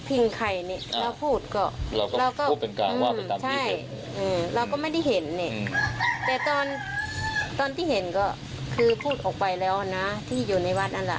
เราก็ไม่ได้เห็นเนี้ยแต่ตอนตอนที่เห็นก็คือพูดออกไปแล้วนะที่อยู่ในวัดนั่นแหละ